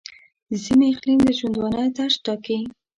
د سیمې اقلیم د ژوندانه طرز ټاکي.